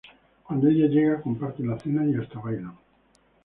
Cuando ella llega, comparten la cena y hasta bailan.